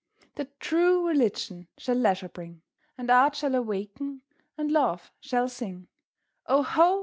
The True Religion shall leisure bring; And Art shall awaken and Love shall sing: Oh, ho!